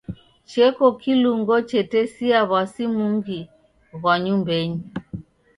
Cheko kilungo chetesia w'asi mungi ghwa nyumbenyi.